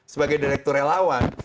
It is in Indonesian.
sebagai direktur relawan